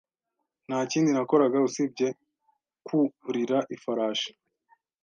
Nta kindi nakoraga usibye kwurira ifarashi